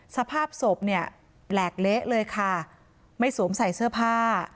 สภาพศพเนี่ยแปลกเละเลยค่ะไม่สวมใส่เสื้อผ้า